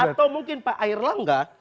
atau mungkin pak erlangga